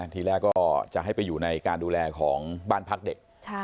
ทีแรกก็จะให้ไปอยู่ในการดูแลของบ้านพักเด็ก